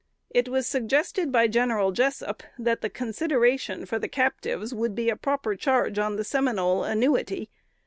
It was suggested by General Jessup, that the consideration for the captives would be a proper charge on the Seminole annuity.